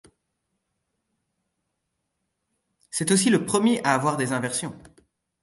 C'est aussi le premier à avoir des inversions.